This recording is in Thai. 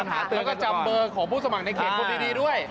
แล้วก็จำเบอร์ของผู้สมัครในเขตคนดีด้วย